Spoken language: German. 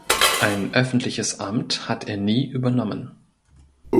Ein öffentliches Amt hat er nie übernommen.